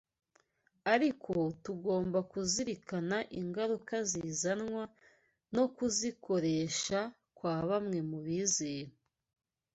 ariko tugomba kuzirikana ingaruka zizanwa no kuzikoresha kwa bamwe mu bizera.